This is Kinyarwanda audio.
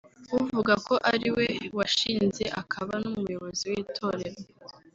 uvuga ko ariwe washinze akaba n’umuyobozi w’Itorero